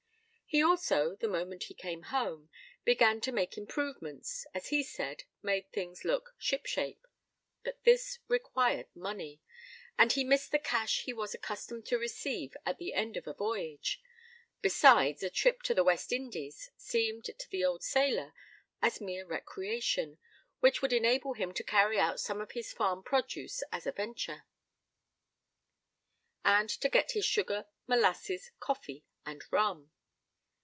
He also, the moment he came home, began to make improvements as he said, made things look "ship shape." But this required money, and he missed the cash he was accustomed to receive at the end of a voyage; besides, a trip to the West Indies seemed to the old sailor as mere recreation, which would enable him to carry out some of his farm produce as a venture, and get his sugar, molasses, coffee, and rum.